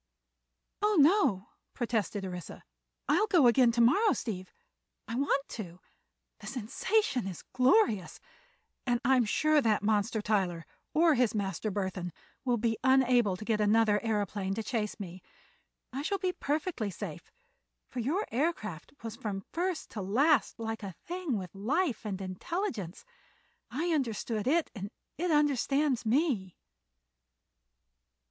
"Oh, no," protested Orissa; "I'll go again to morrow, Steve. I want to. The sensation is glorious, and I'm sure that monster, Tyler—or his master, Burthon—will be unable to get another aëroplane to chase me. I shall be perfectly safe, for your aircraft was from first to last like a thing with life and intelligence. I understand it, and it understands me."